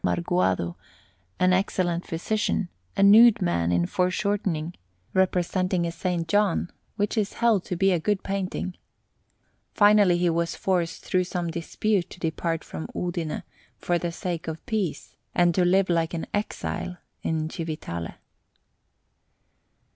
Marguando, an excellent physician, a nude man in foreshortening, representing a S. John, which is held to be a good painting. Finally, he was forced through some dispute to depart from Udine, for the sake of peace, and to live like an exile in Civitale.